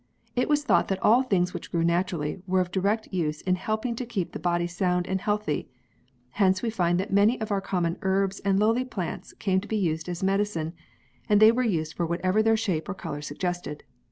It was thought that all things which grew naturally, were of direct use in helping to keep the body sound and healthy. Hence we find that many of our common herbs and lowly plants came to be used as medicine, and they were used for whatever their shape or colour suggested.